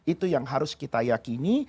itu yang harus kita yakini